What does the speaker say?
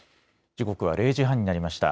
時刻は０時半になりました。